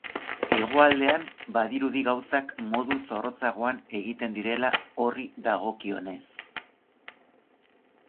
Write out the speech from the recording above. Hegoaldean badirudi gauzak modu zorrotzagoan egiten direla horri dagokionez.